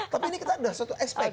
tapi ini kita ada satu expected